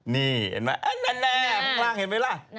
นี่เห็นมั้ยอันนั้นแหละข้างล่างเห็นมั้ยล่ะ